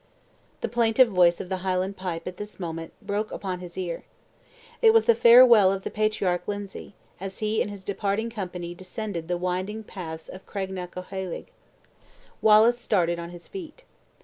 The plaintive voice of the Highland pipe at this moment broke upon his ear. It was the farewell of the patriarch Lindsay, as he and his departing company descended the winding paths of Craignacoheilg. Wallace started on his feet.